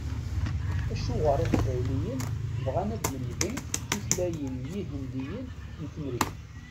Acuɣer Iqbayliyen bɣan ad lemden tutlayin n yihendiyen n Temrikt?